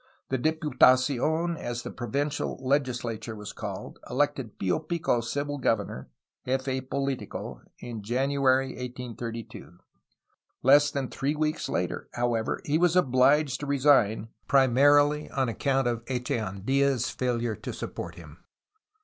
The Diputacidriy as the provincial legislature was called, elected Plo Pico civil governor (jefe politico) in January 1832. Less than three weeks later, however, he was obliged to resign, primarily on account of Echeandla^s failure to support him.